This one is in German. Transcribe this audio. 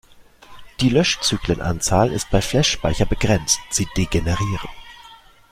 Die Löschzyklenanzahl ist bei Flash-Speicher begrenzt; sie degenerieren.